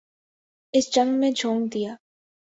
اس جنگ میں جھونک دیا۔